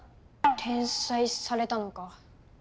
転載されたのか。